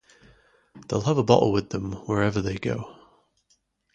They'll have a bottle with them wherever they go.